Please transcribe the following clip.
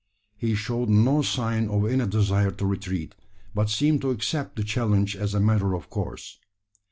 He showed no sign of any desire to retreat, but seemed to accept the challenge as a matter of course.